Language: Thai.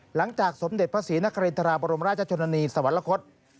หลังจากสมเด็จพระศรีนครินทราบรมราชจนณีย์สวรรคศ